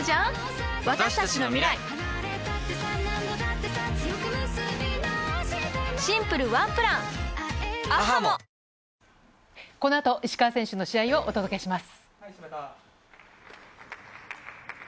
世界ランク２１位、このあと、石川選手の試合をお届けします。